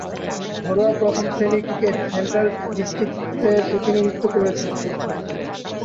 ঘরোয়া প্রথম-শ্রেণীর ক্রিকেটে সেন্ট্রাল ডিস্ট্রিক্টসের প্রতিনিধিত্ব করছেন।